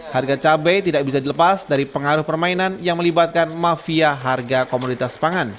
harga cabai tidak bisa dilepas dari pengaruh permainan yang melibatkan mafia harga komoditas pangan